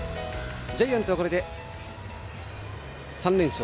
ジャイアンツはこれで３連勝。